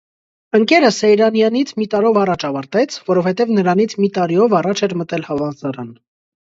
Ընկերը Սեյրանյանից մի տարով առաջ ավարտեց, որովհետև նրանից մի տարիով առաջ էր մտել համալսարան: